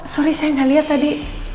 maaf saya enggak lihat tadi